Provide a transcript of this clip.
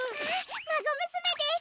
まごむすめです。